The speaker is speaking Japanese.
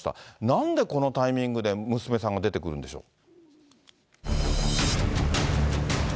なんでこのタイミングで娘さんが出てくるんでしょう。